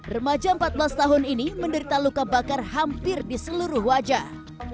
remaja empat belas tahun ini menderita luka bakar hampir di seluruh wajah